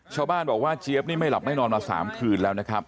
ชาวบ้านบอกว่าเจี๊ยบนี่ไม่หลับไม่นอนมา๓คืนแล้วนะครับ